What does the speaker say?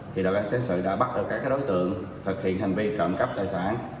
thì đội cảnh sát sự đã bắt được các đối tượng thực hiện hành vi trộm cắp tài sản